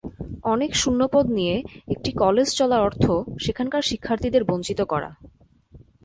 অনেক শূন্যপদ নিয়ে একটি কলেজ চলার অর্থ সেখানকার শিক্ষার্থীদের বঞ্চিত করা।